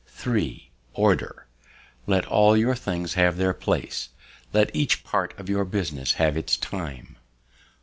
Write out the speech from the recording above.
3. Order. Let all your things have their places; let each part of your business have its time.